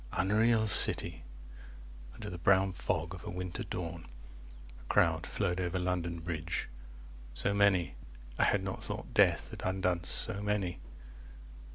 Unreal City, 60 Under the brown fog of a winter dawn, A crowd flowed over London Bridge, so many, I had not thought death had undone so many.